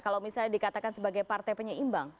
kalau misalnya dikatakan sebagai partai penyeimbang